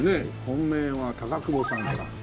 本命は久保さんか。